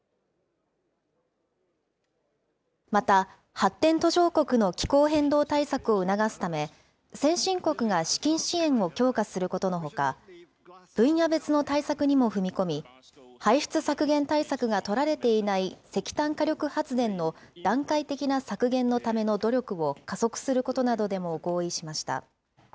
また発展途上国の気候変動対策を促すため、先進国が資金支援を強化することのほか、分野別の対策にも踏み込み、排出削減対策が取られていない石炭火力発電の段階的な削減のための努力を加速することなどでも合意しました。